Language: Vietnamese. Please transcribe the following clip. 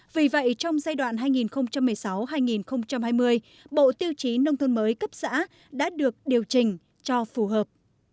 vì vậy trong giai đoạn hai nghìn một mươi sáu hai nghìn hai mươi bộ tiêu chí nông thôn mới cấp xã đã được điều chỉnh cho phù hợp